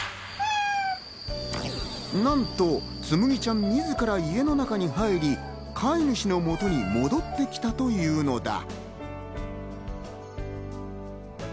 なんと、つむぎちゃん自ら家の中に入り、飼い主の元に戻ってきたというのだ。